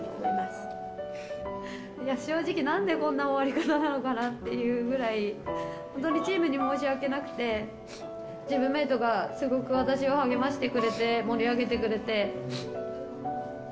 いや、正直、なんでこんな終わり方なのかなっていうぐらい、本当にチームに申し訳なくて、チームメートがすごく私を励ましてくれて、盛り上げてくれて。